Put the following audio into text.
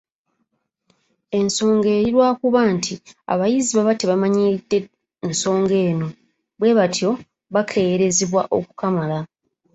Ensonga eri lwakuba nti abayizi baba tebamanyiridde nsonga eno, bwe batyo bakeeyerezebwa okukamala.